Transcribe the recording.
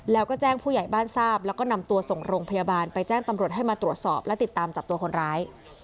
แล้วก็แจ้งผู้ใหญ่บ้านทราบแล้วก็นำตัวส่งโรงพยาบาลไปแจ้งตำรวจให้มาตรวจสอบและติดตามจับตัวคนร้าย